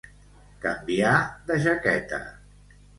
Canviar de jaqueta.